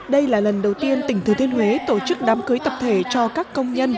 đây là lần đầu tiên tỉnh thừa thiên huế tổ chức đám cưới tập thể cho các công nhân